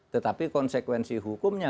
tetapi konsekuensi hukumnya